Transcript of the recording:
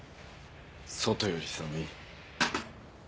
外より寒い。